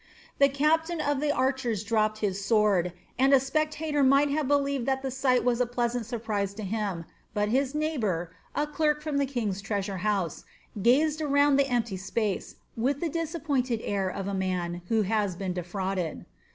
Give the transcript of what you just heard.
The captain of the archers dropped his sword, and a spectator might have believed that the sight was a pleasant surprise to him; but his neighbor, a clerk from the king's treasure house, gazed around the empty space with the disappointed air of a man who has been defrauded.